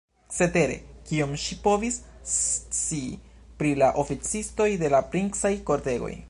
Cetere, kion ŝi povis scii pri la oficistoj de la princaj kortegoj!